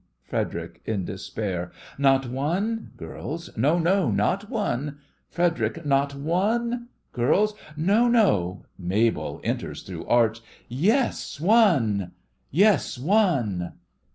FREDERIC: (in despair) Not one? GIRLS: No, no— not one! FREDERIC: Not one? GIRLS: No, no! MABEL: (enters through arch) Yes, one! Yes, one!